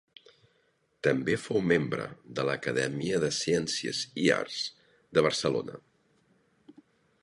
També fou membre de l'Acadèmia de Ciències i Arts de Barcelona.